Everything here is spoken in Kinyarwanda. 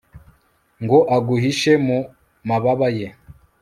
ngo aguhishe mu mababa ye